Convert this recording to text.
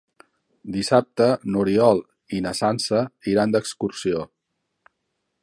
Dissabte n'Oriol i na Sança iran d'excursió.